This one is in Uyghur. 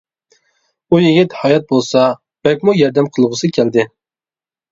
ئۇ يىگىت ھايات بولسا بەكمۇ ياردەم قىلغۇسى كەلدى.